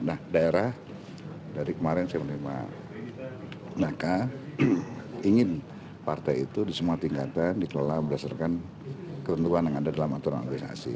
nah daerah dari kemarin saya menerima naka ingin partai itu di semua tingkatan dikelola berdasarkan ketentuan yang ada dalam aturan organisasi